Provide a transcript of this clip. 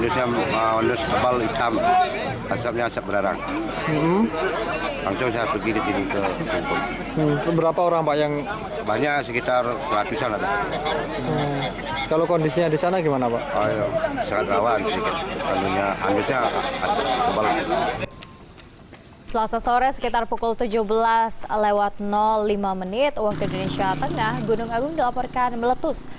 selasa sore sekitar pukul tujuh belas lewat lima menit waktu indonesia tengah gunung agung dilaporkan meletus